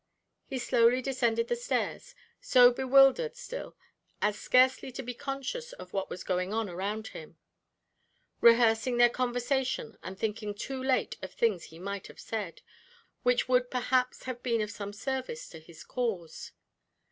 He slowly descended the stairs, so bewildered still as scarcely to be conscious of what was going on around him; rehearsing their conversation and thinking too late of things he might have said, which would perhaps have been of some service to his cause.